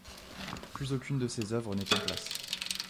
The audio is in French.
Plus aucune de ces oeuvres n'est en place.